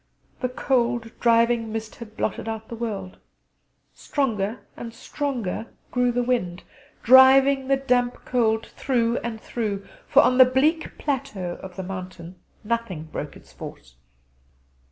The cold driving mist had blotted out the world. Stronger and stronger grew the wind, driving the damp cold through and through; for on the bleak plateau of the mountain nothing broke its force.